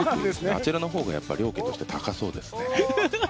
あちらのほうが料金として高そうですね。